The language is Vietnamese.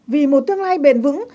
vì một tương lai bền vững